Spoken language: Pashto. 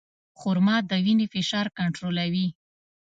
خرما د وینې فشار کنټرولوي.